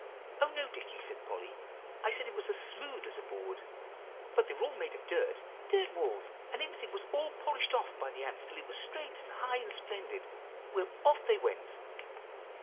"Oh, no, Dicky!" said Polly, "I said it was as smooth as a board, but they were all made of dirt, dirt walls; and everything was all polished off by the ants till it was straight, and high, and splendid. Well, off they went.